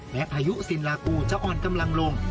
พายุสินลากูจะอ่อนกำลังลง